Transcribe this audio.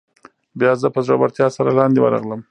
بیا زه په زړورتیا سره لاندې ورغلم.